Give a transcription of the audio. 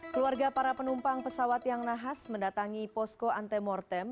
keluarga para penumpang pesawat yang nahas mendatangi posko antemortem